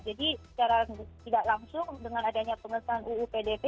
jadi secara tidak langsung dengan adanya pengesahan uu pdp